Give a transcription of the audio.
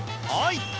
はい！